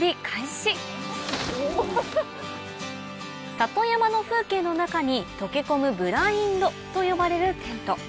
里山の風景の中に溶け込むブラインドと呼ばれるテント